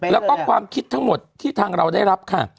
แล้วก็ความคิดทั้งหมดที่ทางเราได้รับค่ะ